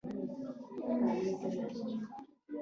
لکه استعمار او تر هغه وروسته حالاتو چې نړۍ یې اغېزمنه کړه.